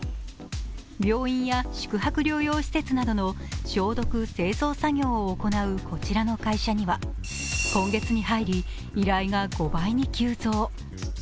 病院や宿泊療養施設などの消毒、清掃作業を行うこちらの会社には今月に入り依頼が５倍に急増。